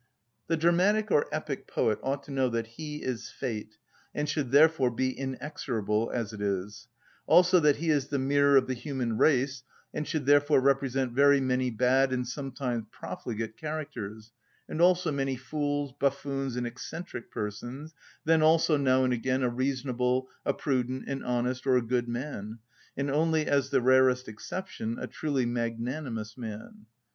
The dramatic or epic poet ought to know that he is fate, and should therefore be inexorable, as it is; also that he is the mirror of the human race, and should therefore represent very many bad and sometimes profligate characters, and also many fools, buffoons, and eccentric persons; then also, now and again, a reasonable, a prudent, an honest, or a good man, and only as the rarest exception a truly magnanimous man.